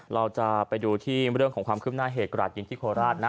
เราจะไปดูที่เรื่องของความคืบหน้าเหตุกระดาษยิงที่โคราชนะ